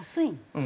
うん。